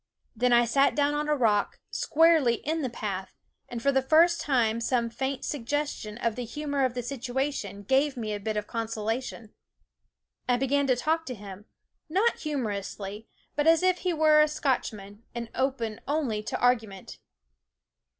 Then I sat down on a rock, squarely in the path, and for the first time some faint suggestion of the humor of the situation gave me a bit of consolation. I began to talk to him, not humorously, but as if he were a Scotchman and open only to argu ment.